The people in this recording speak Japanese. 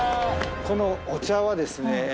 このお茶はですね